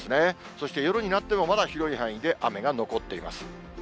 そして夜になっても、まだ広い範囲で雨が残っています。